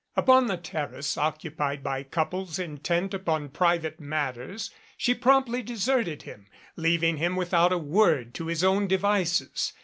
Upon the terrace occupied by couples intent upon private matters, she promptly deserted him, leaving him without a word to his own devices.